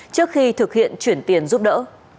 trước khi thực hiện chuyển tiền giúp đỡ